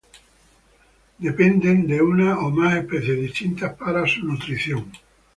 Dependen de una o más especies distintas para su nutrición.